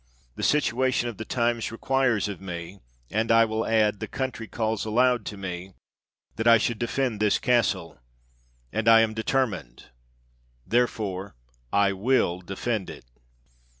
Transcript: The situation of the times requires of me — and, I will add, the country calls aloud to me — that I should defend this castle ; and I am determined, therefore, I will defend it!